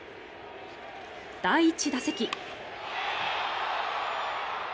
第１打席。